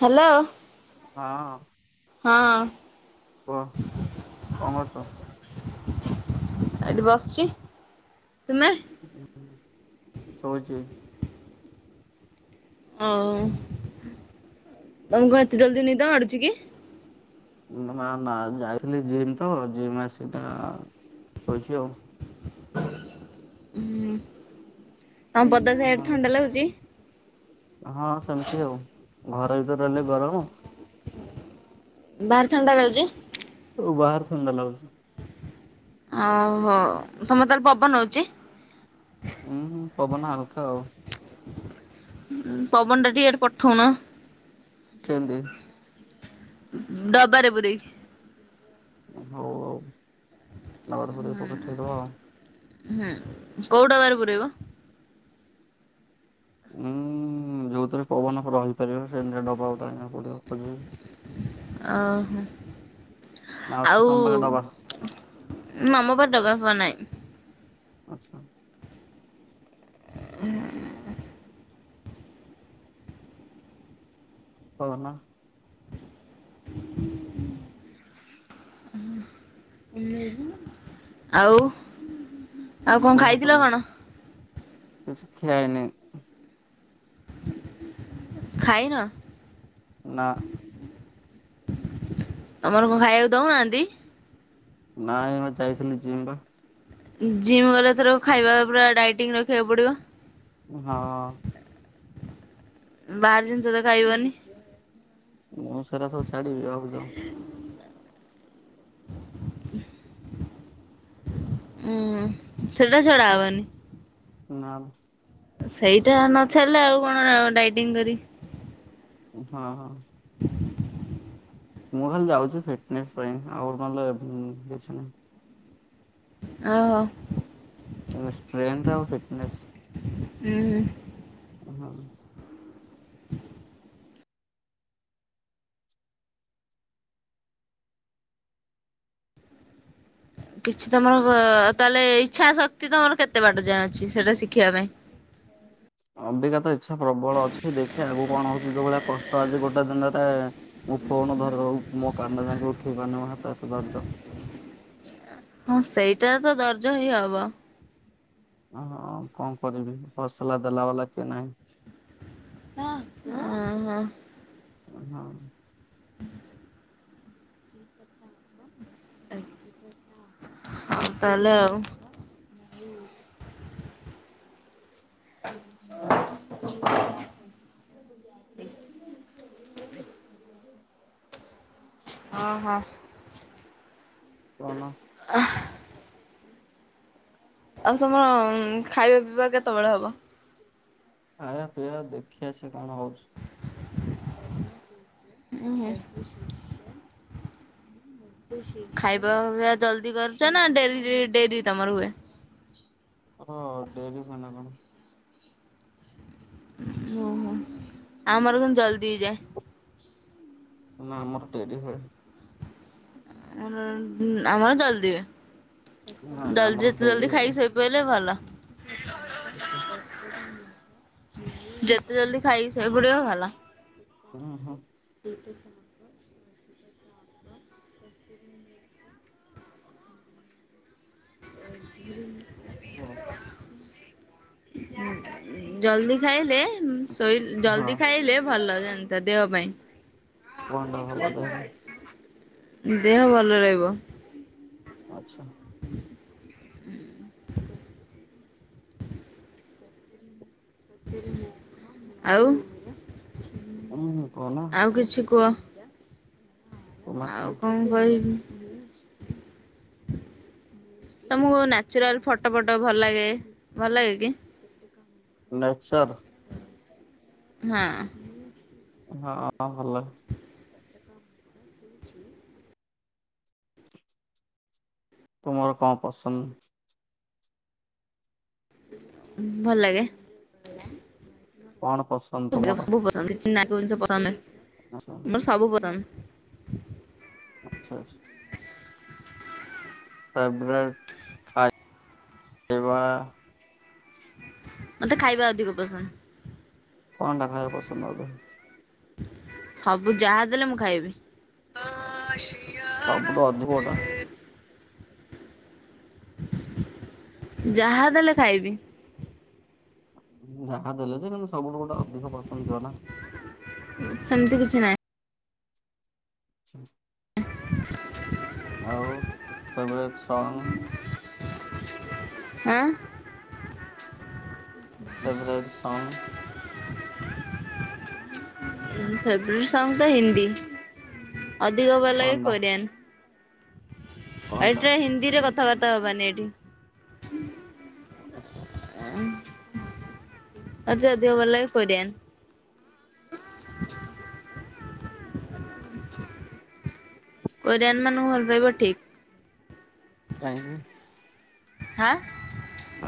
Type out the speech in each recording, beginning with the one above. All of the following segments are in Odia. ହ୍ୟାଲୋ। ହଁ, ହଁ କୁହ କଣ କରୁଚ? ଏଠି ବସିଚି। ସୋଉଚି। ଓ ତମକୁ କଣ ଏତେ ଜଲ୍ଦି ନିଦ ମାଡୁଚି କି? ନା ନା ଯାଇଥିଲି ଜିମ୍ ତ, ଜିମ ଆସି [unintelligible] ଶୋଇଚି ଆଉ। ହଁ, ତମ ବଦା ସାହିଆଡେ ଥଣ୍ଡା ହଁ ଲାଗୁଚି। ହଁ, ସେମିତି ଆଉ, ଘର ଭିତରେ ରହିଲେ ଗରମ ବାହାର ଥଣ୍ଡା ଲାଗୁଚି? ବାହାର ଥଣ୍ଡା ଲାଗୁଛି। ଓହୋଃ ତମେ ତାହାଲେ ପବନ ହଉଚି? ହୁଁ ପବନ ହାଲକା ଆଉ। ପବନ ଟା ଟିକେ ଇଆଡେ ପଠଉନ। କେନ୍ତି। ଡବାରେ ପୁରେଇ କି ହଉ ଆଉ ଡବାରେ ପୁରେଇ କି ପଠେଇ ଦବା ଆଉ। ହୁଁ, କୋଉ ଡବା ରେ ପୁରେଇବ? ହୁଁ। ହୁଁ ଯୋଉଥିରେ ପବନ ରହିପାରିବ ସେମତିଆ ଡବା ଆଣିବାକୁ ପଡିବ ଖୋଜ ଅ ହୋ। ନା ଅଛି ତମ ପାଖେ ଡବା ଆଉ ଆମପାଖରେ ଡବା ଫବା ନାଇଁ। ଆଚ୍ଛା। [unintelligible] କହୁନ? [unintelligible] ଆଉ ଆଉ କଣ କୁହ ଖାଇଥିଲ ତମେ କଣ? କିଛି ଖିଆହେଇନି। ଖାଇନ। ନା। ତମର କଣ ଖାଇବାକୁ ଦଉନାହାନ୍ତି? ନାଇଁ ମୁଁ ଯାଇଥିଲି ଜିମ୍ ପା। ଜିମ୍ ଗଲେ ଏଥର ଖାଇବା ପୁରା ଡାଇଟିଂ ରଖିବାକୁ ପଡିବ। ହଁ। ବାହାର ଜିନିଷ ତ ଖାଇବନି। ମୁଁ ସେରା ସବୁ ଛାଡିବି ଭାବୁଛ। [unintelligible] ଉୁଁ ସେଟାଛଡା ହବନି। ନାଁମ ସେଇଟା ନଛାଡିଲେ ଆଉ କଣ ଡାଇଟିଂ କରିକି ହଁ ହଁ। ମୁଁ ଖାଲି ଯାଉଛି ଫିଟନେସ୍ ପାଇଁ ଆଉ ନହଲେ କିଛି ନାହିଁ। ଓହୋ। ସ୍ଟେନ୍ରଥ ଆଉ ଫିଟନେସ ହଁ। ହଁ। କିଛି ତମର ତାହେଲେ ଇଚ୍ଛା ଶକ୍ତି ତମର କେତେ ବାଟ ଯାଏଁ ଅଛି, ସେଇଟା ଶିଖିବା ପାଇଁ। ହଁ। ଅବିକାତ ଇଚ୍ଛା ପ୍ରବଳ ଅଛି, ଦେଖିଆ ଆଗକୁ କଣ ହଉଛି, ଯୋଉ ଭଳିଆ କଷ୍ଟ ଆଜି ଗୋଟେ ଦିନରେ ମୁଁ କଣ ଧରଉ ମୋ କାନ୍ଧ ଯାନଙ୍କ ଉଠେଇ ପାରୁନି ମୋ ହାତ ହାତ ଦରଜ ହଁ ସେଇଟା ତ ଦର୍ଜ ହିଁ ହବ। ହ କଣ କରିବି ହୋସଲା ଦେଲା ବାଲା କିଏ ନାହିଁ? ଓ ହୋ। ଓ ହଁ। [inaudible] ତାହେଲେ ଆଉ ଆ [unintelligible] [inaudible] ଓହୋ। କଣ? ଆଉ ତମ ଖାଇବା ପିଇବା କେତେବେଳେ ହବ? ଖାୟା ପିୟା ଦେଖିଆ ସେକଣ ହଉଛି। ଉହୁଁ। ଖାଇବା ପିବା ଜଲଦି କରୁଛ ନା ଡେଲି ଡେରି ତମର ହୁଏ? ହ ଡେରି ହୁଏନା କଣ? ଓ ହୋ ଆମର କିନ୍ତୁ ଜଲଦି ହେଇଯାଏ। ଆମର ଡେରି ହୁଏ। ଆମର ଜଲଦି ହୁଏ। ନା ନା ଜଲ୍ଦି ଆମର ଯେତେ ଜଲ୍ଦି ଖାଇ ଶୋଇ ପଡ଼ିଲେ ଭଲ ଆଚ୍ଛା। ଯେତେ ଜଲ୍ଦି ଖାଇକି ଶୋଇ ପଡ଼ିବ, ସେତେ ଭଲ। ହଁ ହଁ। ତାଙ୍କ କୁହ [unintelligible] ଜଲଦି ଖାଇଲେ ଶୋଇ ହଁ ଜଲଦି ଖାଇଲେ ଭଲ ଲାଗ ତା ଦେହ କଣଟା ଭଲ ଦେହ ପାଇଁ ଦେହ ଭଲ ରହିବ। ଆଚ୍ଛା। ହ ଆଉ ଉ କନା ା ଆଉ କୁହ? କଣ କହିବି? ତମକୁ ନାଚୁରାଲ ଫଟୋ ଫଟ ଭଲ ଲାଗେ ଭଲ ଲାଗେ କି। ନଚର୍ ହଁ। ହଁ ଭଲ। [inaudible] ଭଲ ଲାଗେ। କଣ ପସନ୍ଦ ତୁମର? ଚନାକୁ ଜିନିଷ ପସନ୍ଦ ଆଛା ମମର ସବୁ ପସନ୍ଦ। ଆଚ୍ଛା। ଫେବରେଟ୍ ଖାଇବା। ମତେ ଖାଇବା ଅଧିକ ପସନ୍ଦ। [inaudible] ସବୁ ଯାହା ଦେଲେ ମୁଁ ଖାଇବି। ସବଠ ଅଧଟା ଯାହା ଦେଲେ ଖାଇବି। ଯାହା ଦେଲେ ଯେ କିନ୍ତୁ ସବୁଠୁ ଗୋଟେ ଅଧିକ ପସନ୍ଦ ିବ ନା। ସେମିତି କିଛି ନାହିଁ ଆଚଛା। [inaudible] ଆଉ ଫେବରେଟ୍ ସଙ୍ଗ ଆଁ। ଫେବରଟ ସଙ୍ଗ ଫେବରଟ୍ ସଙ୍ଗ ତ ହିନ୍ଦୀ ଅଧିକ ଭଲ ଲାଗେ କଣଟା କୋରିଆନ୍ ଆ କଣଟା? ଏଟା ହିନ୍ଦୀରେ କଥାବାର୍ତ୍ତା ହବାନି ଏଇଠି ଆଚ୍ଛା ଆଚ୍ଛ। ଆଜଦ ଭଲ କରିନ୍ ହ ହୋ। କୋରିଆନ୍ ମାନଙ୍କୁ ଭଲ ପାଇବା ଠିକ କାଇଁ। ହାଁ।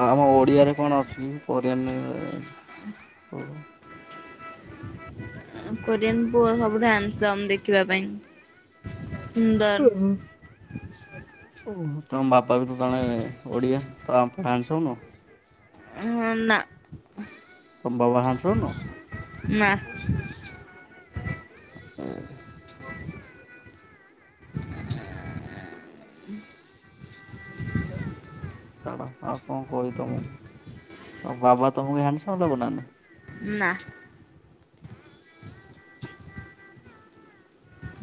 ଆମ ଓଡିଆରେ କଣ ଅଛି କି ପରିୟ କୋରିଆନ ପୁଅ ସବୁ ହେଣ୍ଡସମ୍ ଦେଖିବା ପାଇଁ ସୁନ୍ଦର। ଓ ତମ ବାପା ବି ତ ଜଣେ ଓଡିଆ ଫ୍ରାନ୍ସ ହଉନ ଓ ନା। ତୁମ ବାପା ହେଣ୍ଡସମ୍ ନୁହଁ। ନା। ଏ ଛାଡ଼ ଆଉ କଣ କହିବି ତମକୁ ଆଉ ବାବା ତମକୁ ହାଣ୍ଡସମ୍ ଲାଗୁନା ନା।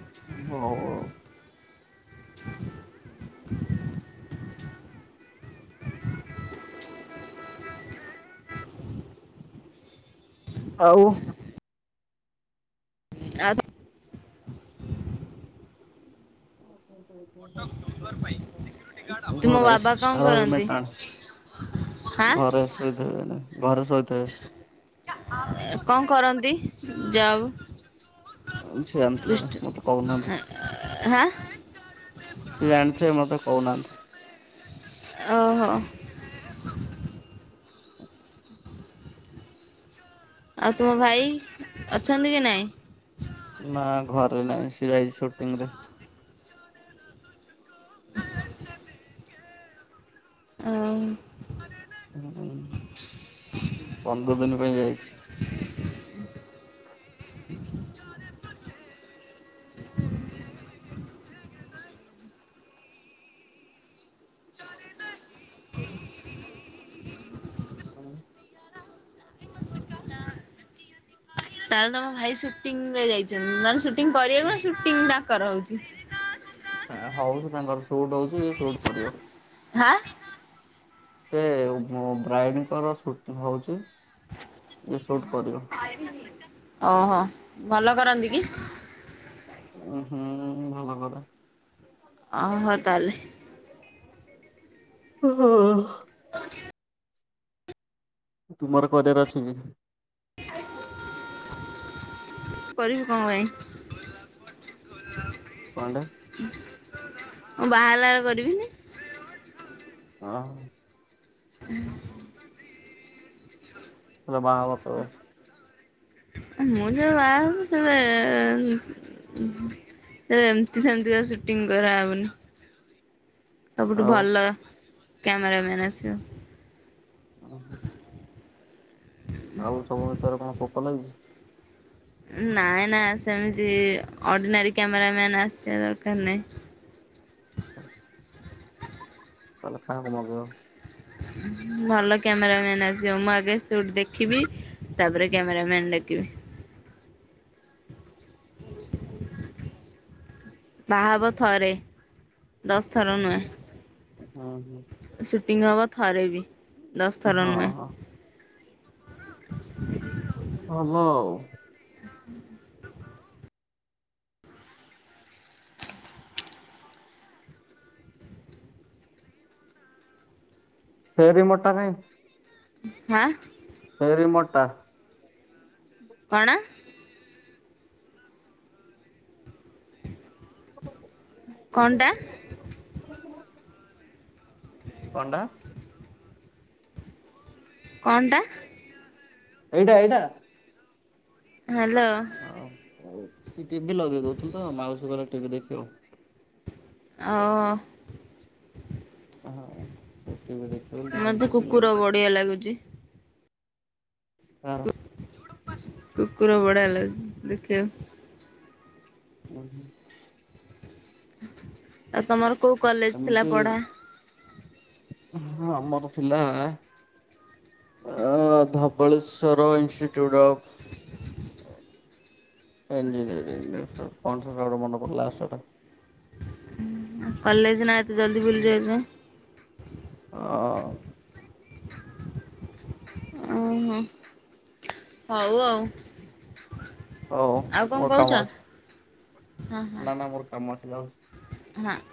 [unintelligible] ଆଉ। ଆ [unintelligible] [unintelligible] ତୁମ ବାବା ଗରେଶ କ'ଣ ଆ। କରନ୍ତି ହାଁ [unintelligible] ଘରେ ଶୋଇଥିବେ ଏଇନେ ଘରେ ଶୋଇଥିବେ। କଣ କରନ୍ତି ଜବ୍? ସିଏ ଜାଣିଥିବେ ମତେ କହୁନାହାନ୍ତି। [inaudible] ସିଏ ଜାଣିଥିବେ, ମୋତେ କହୁନାହାନ୍ତି। ଓହୋ। ଆଉ ତୁମ ଭାଇ ଅଛନ୍ତି କି ନାଇଁ? ନା ଘର ନାଇ। ସେ ଯାଇଛି ଶୁଟିଂରେ। [inaudible] ଆଉ ହୁଁ ପନ୍ଦର ଦିନ ପାଇଁ ଯାଇଚି। [unintelligible] ତାହେଲେ ତମ ଭାଇ ସୁଟିଂ ରେ ଯାଇଛନ୍ତି। ନହେଲେ ସୁଟିଂ କରିବାକୁ ନା ସୁଟିଂ ତାଙ୍କର ହଉଚି। ହଉଛି ତାଙ୍କର ସୁଟ୍ ହଉଛି ସୁଟ କରିବ। ହା। ସେ ବ୍ରାଇଡଙ୍କର ସୁଟିଂ ହଉଛି। ଏ ସୁଟ କରିବ। ଓହୋ ଭଲ କରନ୍ତି କି? ଉଁ ହୁଁ ଭଲ କଥା ଓ ହୋ ତାହେଲେ। ହ ହଁ [unintelligible] [inaudible] ତୁମର କରିବାର ଅଛି କି? କରିବୁ କଣ ପାଇଁ? କଣଟେ ମୁଁ ବାହାରିଲା ବେଳେ କରିବିିନି। ହଁ। [unintelligible] ର ବାହା ହବ କେବେ? ମୁଁ ଯେବେ ବାହା ହେବି ସେବେ ତ ଏମତି ସେମିତିକା ସୁଟିଂ କରାହବନି। ସବୁଠୁ ଆଉ ଭଲ କ୍ୟାମେରାମ୍ୟାନ୍ ଆସିବ। [unintelligible] ଆଉ ସବୁ ଭିତରେ କଣ ପୋକ ଲାଗିଛି? ନାଇଁ ନା ସେମିତି ଅର୍ଡିନାରୀ କ୍ୟାମେରାମ୍ୟାନ୍ ଆସିବା ଦରକାର ନାଇଁ। [unintelligible] ତାହେଲେ କାହା କୁ ମଗେଇବ? ଭଲ କ୍ୟାମେରାମ୍ୟାନ ଆସିବ। ମୁଁ ଆଗେ ସୁଟ ଦେଖିବି। ତାପରେ କ୍ୟାମେରମ୍ୟାନ୍ ଡାକିବି। ବାହାହବ ଥରେ ଦଶ ଥର ନୁହେଁ। ହୁଁ ହୁଁ। ପିଙ୍ଗ ହବ ଥରେ ବି ଦଶ ଥର ହଁ ହଁ ନୁହେଁ। ହଲୋ। ଫେରି ମୋଟାରେ ମାଆ ପେରି ମୋଟା କଣ? କଣଟା? କଣଟା? କଣଟା? ଏଇଟା ଏଇଟା। ହାଲୋ। ଆଉ ସେ ଟିଭି ଲଗେଇ ଦଉ ତୁ ତ ମାଉସୀ ଭଳିଆ ଟିଭି ଦେଖିଲୁଣୁ। ଆଉ ହଁ ସେ ଟିଭି ଦେଖିବ ବୋଲି ତା ପାଇଁ ମତେ ଟିଭି ଲଗେଇ କୁକୁର ଦୋଉଚନ୍ତି। ବଢିଆ ଲାଗୁଛି ସାର କୁକୁର ବଢିଆ ଲାଗୁଛି ଦେଖିବାକୁ। [inaudible] ଆଉ ତମର କୋଉ କଲେଜ ଥିଲା ଏମିତି ପଢ଼ା। ହଁ ଆମର ଥିଲା। ଆ ଧବଳେଶ୍ୱର ଇନଷ୍ଟିଚ୍ୟୁଟ୍ ଅଫ୍। ଇଞ୍ଜିନିୟରିଂ କଣ ସେଟା ଗୋଟେ ମନେ ପଡୁନି ଲାଷ୍ଟ ଟା। [unintelligible] କଲେଜ ନାଆଁ ଏତେ ଜଲଦି ଭୁଲି ଯାଉଛ। ଅ ଓହୋ ହଉ ଆଉ। ହଉ ଆଉ କଣ ମୋର କହୁଛ କାମ ଅଛି ନା ନା ମୋର କାମ ଅଛି ଯାଉଛି। ହାଆଁ।